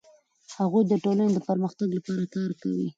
هغوی د ټولنې د پرمختګ لپاره کار کوي.